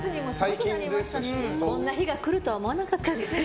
こんな日が来るとは思わなかったです。